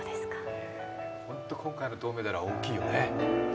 ホント今回の銅メダルは大きいよね。